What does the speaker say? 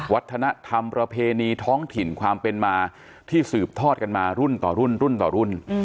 วัฒนธรรมประเพณีท้องถิ่นความเป็นมาที่สืบทอดกันมารุ่นต่อรุ่นรุ่นต่อรุ่น